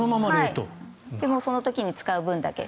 その時に使う分だけ。